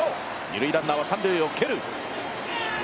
二塁ランナーは三塁を蹴る。